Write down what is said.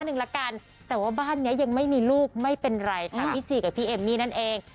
แต่ว่าบ้านเนี้ยยังไม่มีลูกไม่เป็นไรค่ะพี่สีกับพี่เอ็มมี่นั่นเอง